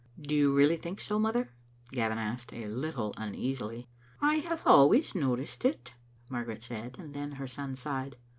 "Do you really think so, mother?" Gavin asked, a little uneasily. "I have always noticed it," Margaret said, and then her son sighed.